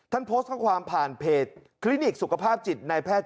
โพสต์ข้อความผ่านเพจคลินิกสุขภาพจิตในแพทย์